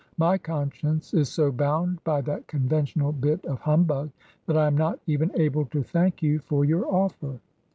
My conscience is so bound by that conventional bit of humbug that I am not even able to thank you for your offer."